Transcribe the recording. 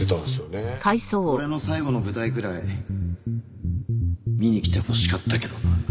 俺の最後の舞台ぐらい見に来てほしかったけどな。